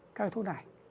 các cái thuốc này